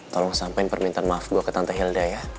tolong sampein permintaan maaf gue ke tante hilda ya